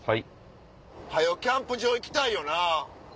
早キャンプ場行きたいよな。